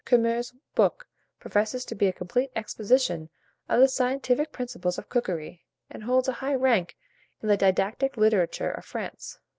Curmer's book professes to be a complete exposition of the scientific principles of cookery, and holds a high rank in the didactic literature of France.